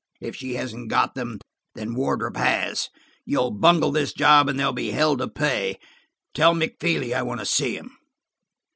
"If she hasn't got them, then Wardrop has. You'll bungle this job and there'll be hell to pay. Tell McFeely I want to see him."